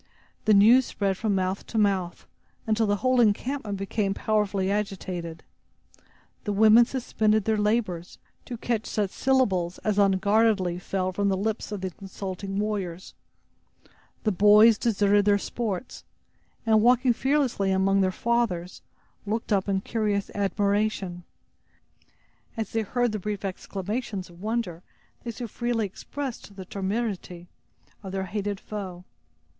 The news spread from mouth to mouth, until the whole encampment became powerfully agitated. The women suspended their labors, to catch such syllables as unguardedly fell from the lips of the consulting warriors. The boys deserted their sports, and walking fearlessly among their fathers, looked up in curious admiration, as they heard the brief exclamations of wonder they so freely expressed the temerity of their hated foe.